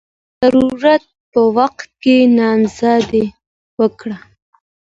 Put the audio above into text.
د ضرورت په وخت کې نامردي وکړه.